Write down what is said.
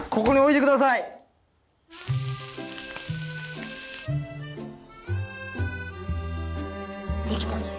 できたぞよ。